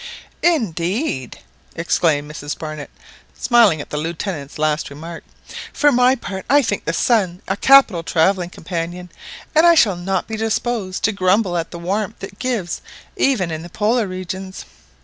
"Indeed!" exclaimed Mrs Barnett, smiling at the Lieutenant's last remark; "for my part, I think the sun a capital travelling companion, and I shall not be disposed to grumble at the warmth it gives even in the Polar regions